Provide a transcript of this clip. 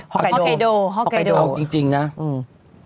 ฮอกไกโดฮอกไกโดเอาจริงนะอืม